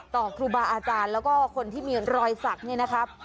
ครูบาอาจารย์แล้วก็คนที่มีรอยสักเนี่ยนะครับ